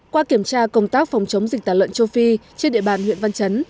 qua kiểm tra công tác phòng chống dịch tả lợn châu phi trên địa bàn huyện văn chấn